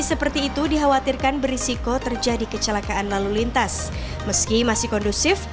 seperti itu dikhawatirkan berisiko terjadi kecelakaan lalu lintas meski masih kondusif